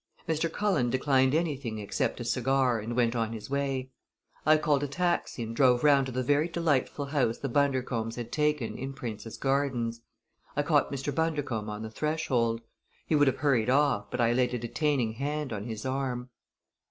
Mr. Cullen declined anything except a cigar and went on his way. I called a taxi and drove round to the very delightful house the Bundercombes had taken in Prince's Gardens. I caught Mr. Bundercombe on the threshold. He would have hurried off, but I laid a detaining hand on his arm.